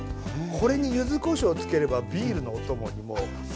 これに柚子こしょうつければビールのお供にも最高です！